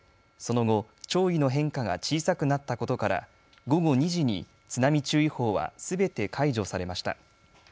その後、潮位の変化が小さくなったことから午後２時に津波注意報はすべて解除されました。